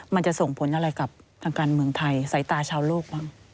มันจะส่งผลอะไรกับทางการเมืองไทยสายตาชาวโลกบ้าง